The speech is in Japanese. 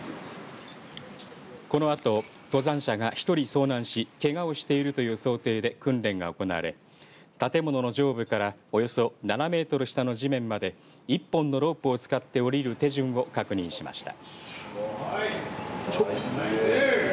このあと登山者が１人遭難しけがをしているという想定で訓練が行われ建物の上部からおよそ７メートル下の地面まで１本のロープを使って降りる手順を確認しました。